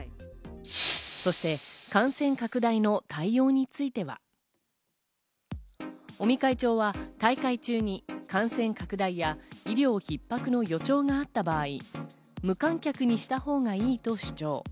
そして感染拡大の対応については、尾身会長は大会中に感染拡大や医療逼迫の予兆があった場合、無観客にしたほうがいいと主張。